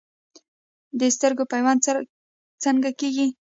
د سترګې پیوند څنګه کیږي؟